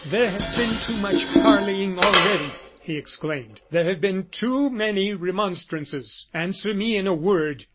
"There has been too much parleying already!" he exclaimed; "there have been too many remonstrances. Answer me in a word!